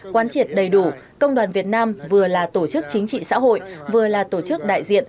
quan triệt đầy đủ công đoàn việt nam vừa là tổ chức chính trị xã hội vừa là tổ chức đại diện